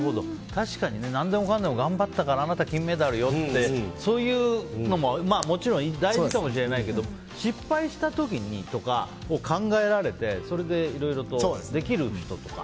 確かに何でもかんでも頑張ったからあなた金メダルよというのはそういうのももちろん大事かもしれないけど失敗した時に考えられてそれでいろいろできる人とか。